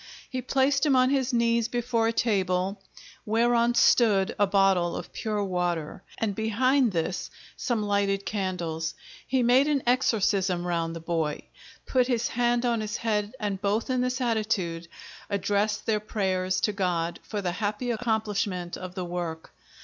He placed him on his knees before a table, whereon stood a Bottle of pure water, and behind this some lighted candles: he made an exorcism round the boy, put his hand on his head and both, in this attitude, addressed their prayers to God for the happy accomplishment of the work.